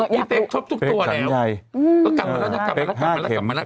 อยากรู้พี่เป๊กชอบทุกตัวแล้ว